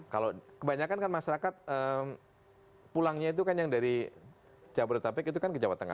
kalau kebanyakan kan masyarakat pulangnya itu kan yang dari jabodetabek itu kan ke jawa tengah